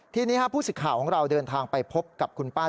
ทีนี้ผู้สิทธิ์ข่าวของเราเดินทางไปพบกับคุณป้า